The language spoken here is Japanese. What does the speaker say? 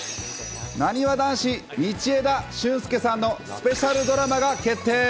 なにわ男子、道枝駿佑さんのスペシャルドラマが決定。